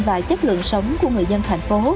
và chất lượng sống của người dân thành phố